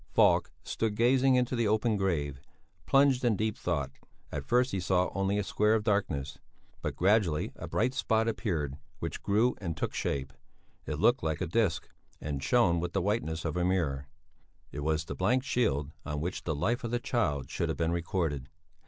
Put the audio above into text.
Falk stood gazing into the open grave, plunged in deep thought. At first he saw only a square of darkness; but gradually a bright spot appeared which grew and took shape; it looked like a disc and shone with the whiteness of a mirror it was the blank shield on which the life of the child should have been recorded.